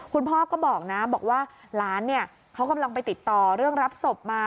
คุณพ่อก็บอกนะบอกว่าหลานเนี่ยเขากำลังไปติดต่อเรื่องรับศพมา